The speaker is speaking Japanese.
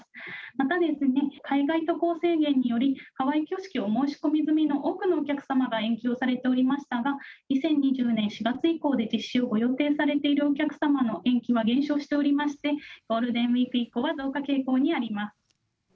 また海外渡航制限により、ハワイ挙式お申し込み済みの多くのお客様が延期をされておりましたが、２０２２年４月以降で実施をご予定されているお客様の延期は減少しておりまして、ゴールデンウィークは増加傾向にあります。